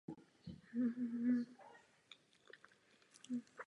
Civilním týmem se stal teprve po pádu komunistického režimu.